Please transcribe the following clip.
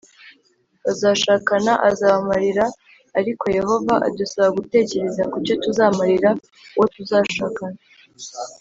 bazashakana azabamarira Ariko Yehova adusaba gutekereza ku cyo tuzamarira uwo tuzashakana